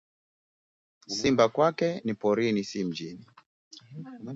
Simba kwake ni porini si mjini